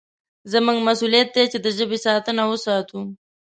زموږ مسوولیت دی چې د ژبې ساتنه وساتو.